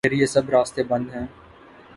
اگریہ سب راستے بند ہیں۔